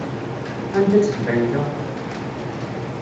Anda-tt tbanka?